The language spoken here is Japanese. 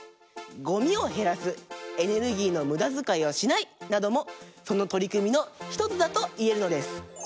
「ごみをへらす」「エネルギーのむだづかいはしない」などもそのとりくみの１つだといえるのです。